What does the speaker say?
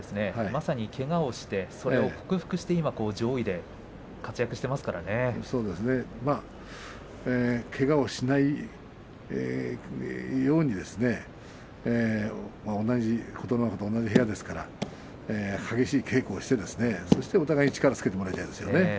まさにけがをしてそれを克服して上位でけがをしないようにですね琴ノ若と同じ部屋ですから激しい稽古をしてお互い力をつけてほしいですね。